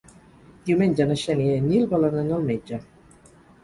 Diumenge na Xènia i en Nil volen anar al metge.